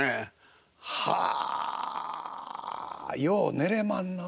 あよう寝れまんなあ。